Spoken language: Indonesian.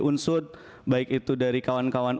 unsur baik itu dari kawan kawan